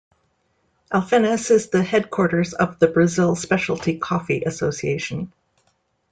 Alfenas is the headquarters of the Brazil Specialty Coffee Association.